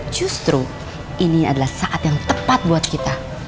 justru ini adalah saat yang tepat buat kita